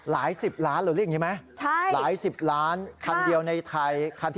หลายสิบล้านหรือเรียกอย่างนี้ไหม